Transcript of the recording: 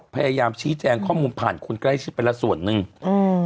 พยายามชี้แจงข้อมูลผ่านคุณไกลก็ได้๑๐เป็นละส่วนหนึ่งอืม